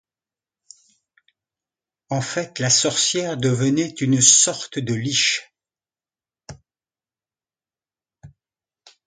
En fait, la sorcière devenait une sorte de liche.